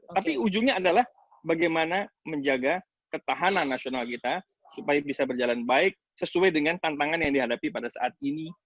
tapi ujungnya adalah bagaimana menjaga ketahanan nasional kita supaya bisa berjalan baik sesuai dengan tantangan yang dihadapi pada saat ini